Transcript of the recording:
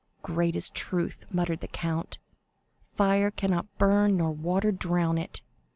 "Great is truth," muttered the count, "fire cannot burn, nor water drown it!